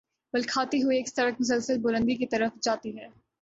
بل کھاتی ہوئی ایک سڑک مسلسل بلندی کی طرف جاتی ہے۔